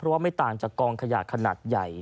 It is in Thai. เพราะว่าไม่ต่างจากกองขยะขนาดใหญ่